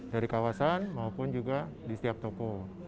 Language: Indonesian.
dari kawasan maupun juga di setiap toko